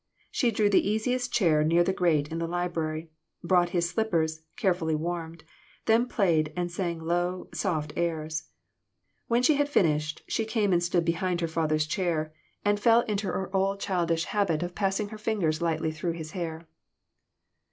She drew the easiest chair near the grate in the library, brought his slippers carefully warmed, then played and sang low, soft airs. When she had finished, she came and stood behind her father's chair, and fell into her 3 2 FANATICISM. old childish habit of passing her fingers lightly through his hair.